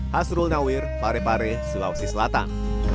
hasrul nawir pare pare sulawesi selatan